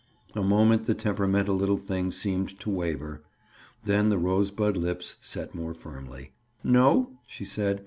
A moment the temperamental little thing seemed to waver. Then the rosebud lips set more firmly. "No," she said.